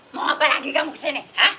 mau apa lagi kamu kesini hah